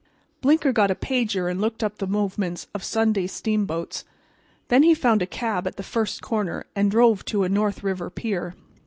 Blinker got a paper and looked up the movements of Sunday steamboats. Then he found a cab at the first corner and drove to a North River pier.